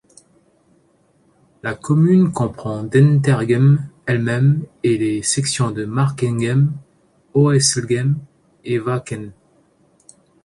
La commune comprend Dentergem elle-même, et les sections de Markegem, Oeselgem et Wakken.